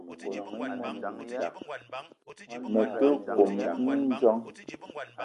Me te kome mindjong.